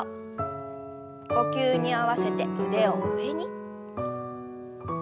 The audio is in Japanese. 呼吸に合わせて腕を上に。